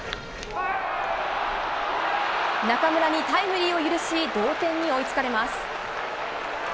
中村にタイムリーを許し同点に追いつかれます。